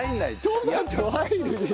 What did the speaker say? トマト入るでしょ。